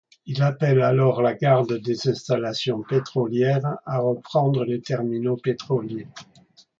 Il appelle alors la Garde des installations pétrolières à reprendre les terminaux pétroliers.